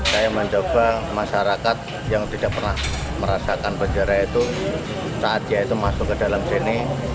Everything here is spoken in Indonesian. saya mencoba masyarakat yang tidak pernah merasakan bendera itu saat dia itu masuk ke dalam sini